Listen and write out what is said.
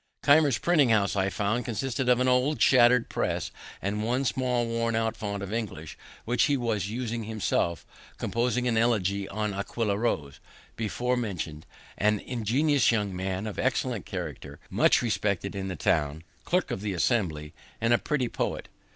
Keimer's printing house, I found, consisted of an old shatter'd press, and one small, worn out font of English, which he was then using himself, composing an Elegy on Aquilla Rose, before mentioned, an ingenious young man, of excellent character, much respected in the town, clerk of the Assembly, and a pretty poet.